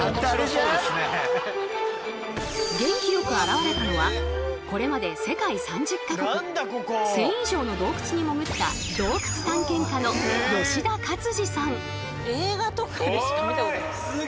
元気よく現れたのはこれまで世界３０か国１，０００以上の洞窟に潜った映画とかでしか見たことない。